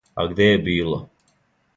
А где је било?